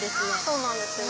そうなんですよ